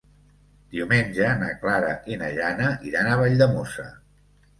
Diumenge na Clara i na Jana iran a Valldemossa.